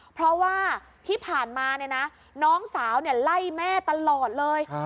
เพราะว่าที่ผ่านมาเนี่ยนะน้องสาวไล่แม่ตลอดเลย